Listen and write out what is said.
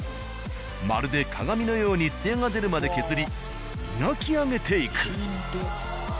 まるで鏡のように艶が出るまで削り磨き上げていく。